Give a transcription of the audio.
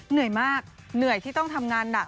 เหนื่อยมากเหนื่อยที่ต้องทำงานหนัก